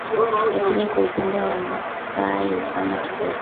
Lakini kwa upande wa wamasai hufanya tofauti kidogo